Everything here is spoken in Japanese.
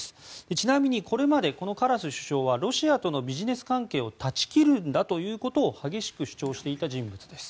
ちなみにこれまでカラス首相はロシアとのビジネス関係を断ち切るんだということを激しく主張していた人物です。